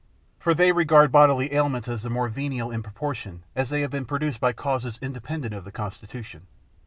For they regard bodily ailments as the more venial in proportion as they have been produced by causes independent of the constitution.